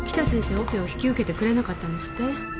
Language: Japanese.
オペを引き受けてくれなかったんですって？